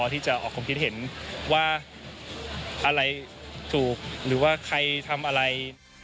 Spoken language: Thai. ที่จะออกความคิดเห็นว่าอะไรถูกหรือว่าใครทำอะไร